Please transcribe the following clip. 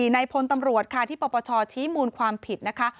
ในพลตำรวจค่ะที่ปปชชี้มูลความผิดนะคะ